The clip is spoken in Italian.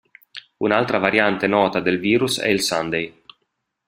Un'altra variante nota del virus è il Sunday.